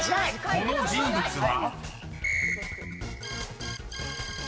［この人物は？］